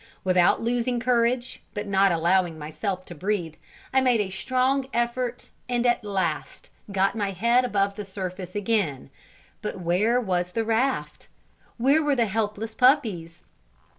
Without losing courage, but not allowing myself to breathe, I made a strong effort, and at last, got my head above the surface again; but where was the raft? Where were the helpless puppies?